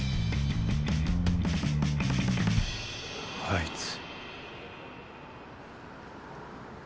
あいつ。